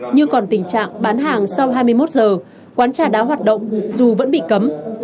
như còn tình trạng bán hàng sau hai mươi một giờ quán trà đá hoạt động dù vẫn bị cấm